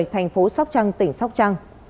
thành phố sóc trăng tỉnh sóc trăng